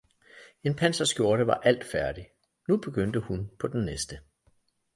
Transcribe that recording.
En panserskjorte var alt færdig, nu begyndte hun på den næste